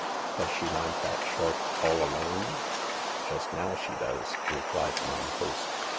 " Does she mind that shorp all alone ?"" Jus' now she does," replied mine host.